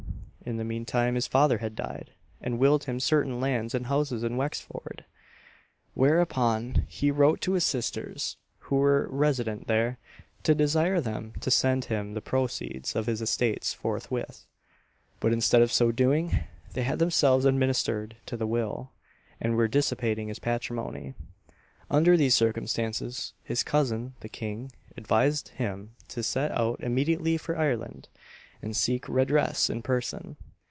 In the meantime his father had died, and willed him certain lands and houses in Wexford; whereupon he wrote to his sisters, who were resident there, to desire them to send him the proceeds of his estates forthwith; but instead of so doing, they had themselves administered to the will, and were dissipating his patrimony. Under these circumstances, his cousin, the king, advised him to set out immediately for Ireland, and seek redress in person.